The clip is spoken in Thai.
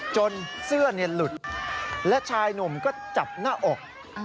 จนเสื้อหลุดและชายหนุ่มก็จับหน้าอก